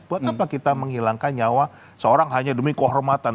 buat apa kita menghilangkan nyawa seorang hanya demi kehormatan